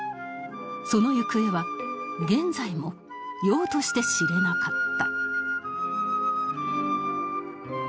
その行方は現在もようとして知れなかった